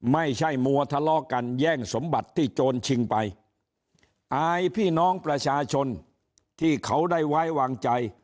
ไม่ใช่มัวทะเลาะกันแย่งสมบัติที่โจรชิงไปอายพี่น้องประชาชนที่เขาได้ไว้วางใจ